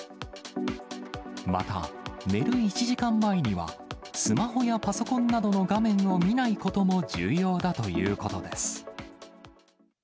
また、寝る１時間前には、スマホやパソコンなどの画面を見ないことも重要だということです。